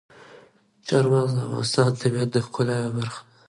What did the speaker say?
چار مغز د افغانستان د طبیعت د ښکلا یوه برخه ده.